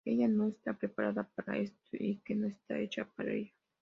Ella no está preparada para esto y que no está hecha para ello.